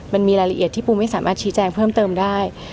มันมีรายละเอียดที่ปูไม่สามารถชี้แจงเพิ่มเติมได้